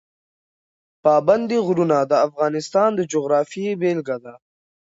پابندی غرونه د افغانستان د جغرافیې بېلګه ده.